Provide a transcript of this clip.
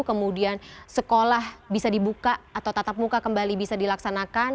kemudian sekolah bisa dibuka atau tatap muka kembali bisa dilaksanakan